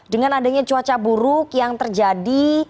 dengan adanya cuaca buruk yang terjadi